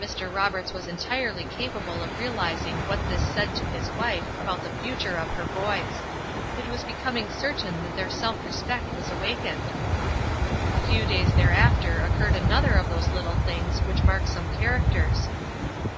Mr. Roberts was entirely capable of realizing what this said to his wife about the future of her boys. It was becoming certain that their self respect was awakened. A few days thereafter occurred another of those little things which mark some characters.